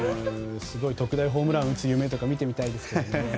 特大ホームランを打つ夢とか見てみたいですね。